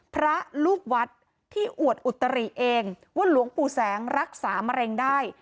พระลูกวัดที่อวดอุตริเองว่าหลวงปู่แสงรักษามะเร็งได้